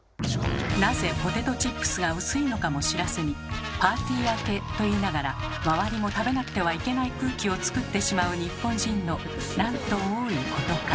なぜポテトチップスが薄いのかも知らずに「パーティー開け」といいながら周りも食べなくてはいけない空気を作ってしまう日本人のなんと多いことか。